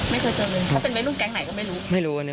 ไม่เคยเจอเลยถ้าเป็นเวลูกแกรงไหนก็ไม่รู้